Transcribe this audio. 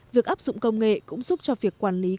việc áp dụng công nghệ cũng giúp cho việc quản lý